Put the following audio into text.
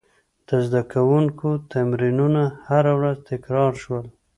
د زده کوونکو تمرینونه هره ورځ تکرار شول.